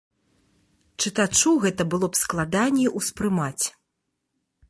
Чытачу гэта было б складаней успрымаць.